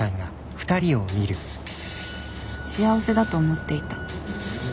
幸せだと思っていた。